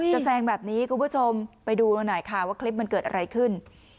แซงแบบนี้คุณผู้ชมไปดูเราหน่อยค่ะว่าคลิปมันเกิดอะไรขึ้น